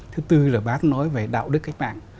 thứ tư là bác nói về đạo đức cách mạng